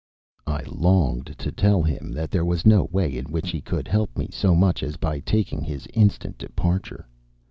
I longed to tell him that there was no way in which he could help me so much as by taking his instant departure.